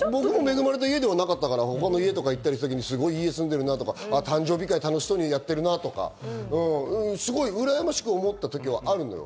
僕も恵まれた家ではなかったから、他の家に行ったときに、すごい家に住んでるなとか、誕生日会、楽しそうにやってるなとか、羨ましく思ったときはあるのよ。